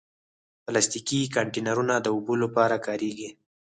پلاستيکي کانټینرونه د اوبو لپاره کارېږي.